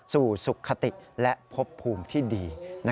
สู่สุขติและพบภูมิที่ดี